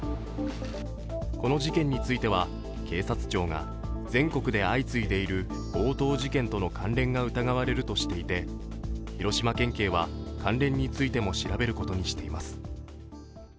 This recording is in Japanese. この事件については警察庁が全国で相次いでいる強盗事件との関連が疑われるとしていて広島県警は関連についても調べることにしています。